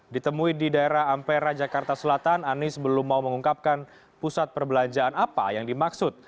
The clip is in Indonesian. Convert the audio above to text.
ditemui di daerah ampera jakarta selatan anies belum mau mengungkapkan pusat perbelanjaan apa yang dimaksud